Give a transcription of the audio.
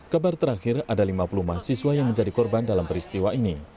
kabar terakhir ada lima puluh mahasiswa yang menjadi korban dalam peristiwa ini